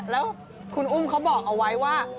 แล้วคุณอุ้มเขาบอกเอาไว้ว่า